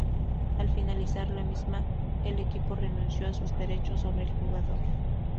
Al finalizar la misma el equipo renunció a sus derechos sobre el jugador.